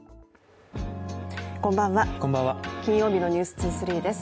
こんばんは、金曜日の「ｎｅｗｓ２３」です。